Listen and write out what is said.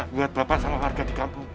buat bapak sama warga di kampung